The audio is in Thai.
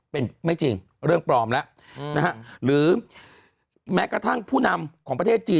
เป็นไม่จริงเรื่องปลอมแล้วนะฮะหรือแม้กระทั่งผู้นำของประเทศจีน